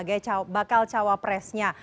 pak erick klohir sebagai bakal cawapresnya